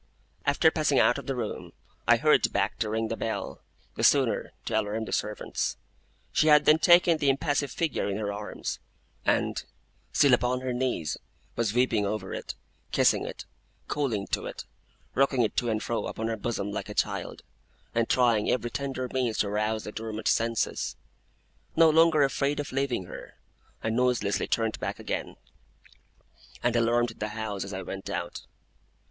After passing out of the room, I hurried back to ring the bell, the sooner to alarm the servants. She had then taken the impassive figure in her arms, and, still upon her knees, was weeping over it, kissing it, calling to it, rocking it to and fro upon her bosom like a child, and trying every tender means to rouse the dormant senses. No longer afraid of leaving her, I noiselessly turned back again; and alarmed the house as I went out.